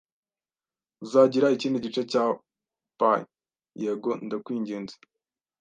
"Uzagira ikindi gice cya pie?" "Yego, ndakwinginze."